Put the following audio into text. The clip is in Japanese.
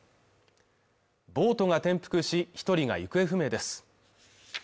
ボートが転覆し一人が行方不明です